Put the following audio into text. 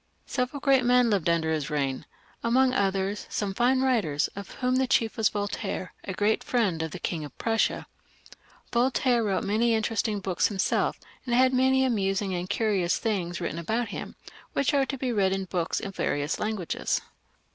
Several great men lived under his reign; among others, several great writers, of whom the chief was Voltaire, a great friend of the King of Prussia, and a man who has written many interesting books him self, and had many amusing and curious things written about him, which are to be read in books of various languages.